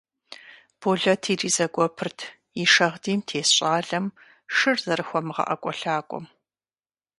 Болэт иризэгуэпырт и шагъдийм тес щӀалэм шыр зэрыхуэмыгъэӀэкӀуэлъакӀуэм.